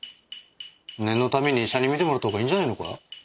念のために医者に診てもらったほうがいいんじゃねぇのか？